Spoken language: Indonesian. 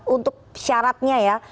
untuk syaratnya ya